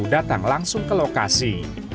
datang langsung ke lokasi